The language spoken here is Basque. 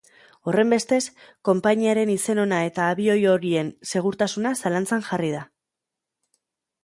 Horrenbestez, konpainiaren izen ona eta abioi horien segurtasuna zalantzan jarri da.